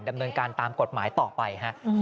ดำเนินการตามกฎหมายต่อไปฮะ